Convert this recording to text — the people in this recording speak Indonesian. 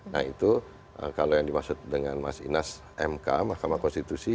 nah itu kalau yang dimaksud dengan mas inas mk mahkamah konstitusi